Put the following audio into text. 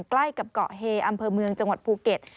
ใกล้กับเกาะเฮอำเภอเมืองจังหวัดภูเก็ต